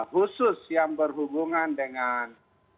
khusus yang berhubungan dengan